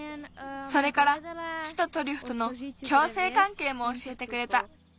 それから木とトリュフとの共生関係もおしえてくれた。